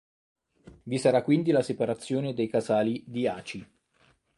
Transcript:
Vi sarà quindi la separazione dei casali di Aci.